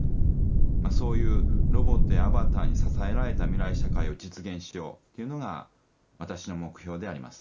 そういうロボットやアバターに支えられた未来社会を実現しようっていうのが私の目標であります。